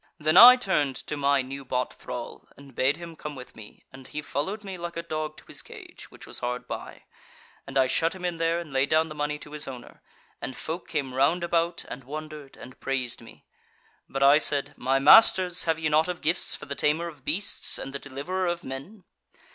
"Then I turned to my new bought thrall and bade him come with me, and he followed me like a dog to his cage, which was hard by; and I shut him in there, and laid down the money to his owner; and folk came round about, and wondered, and praised me. But I said: 'My masters, have ye naught of gifts for the tamer of beasts, and the deliverer of men?'